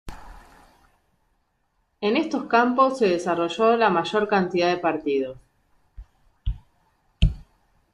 En estos campos se desarrolló la mayor cantidad de partidos.